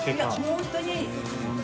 本当に。